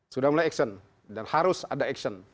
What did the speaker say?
sudah mulai aksion dan harus ada aksion